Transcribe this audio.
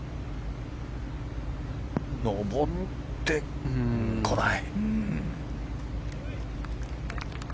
上ってこない。